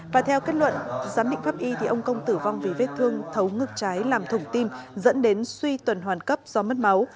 và theo kết luận giám định pháp y thì ông công tử vong vì vết thương thấu ngực trái làm thủng tim dẫn đến suy tuần hoàn cấp do mất máu